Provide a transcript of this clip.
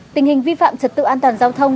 tình hình vi phạm trật tự an toàn giao thông